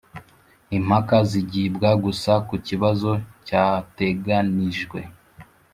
impaka zigibwa gusa ku kibazo cyateganyijwe